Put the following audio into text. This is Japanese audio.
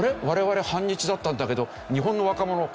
我々反日だったんだけど日本の若者